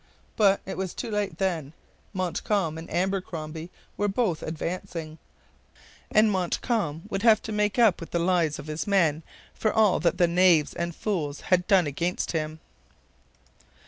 But it was too late then. Montcalm and Abercromby were both advancing; and Montcalm would have to make up with the lives of his men for all that the knaves and fools had done against him.